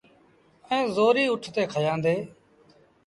ائيٚݩ زوريٚ اُٺ تي کيآݩدي۔